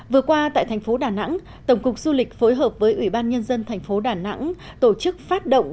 vừa qua tại thành phố đà nẵng tổng cục du lịch phối hợp với ủy ban nhân dân thành phố đà nẵng tổ chức phát động